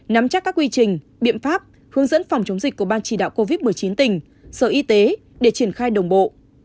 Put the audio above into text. nắm chắc các quy trình biện pháp hướng dẫn phòng chống dịch của ban chỉ đạo covid một mươi chín tỉnh sở y tế để triển khai đồng bộ